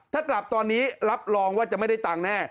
ถ้ากลับตอนนี้รับรองว่าจะไม่ได้ตังค์แน่